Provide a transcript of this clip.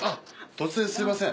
突然すみません。